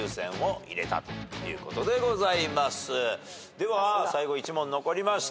では最後１問残りました。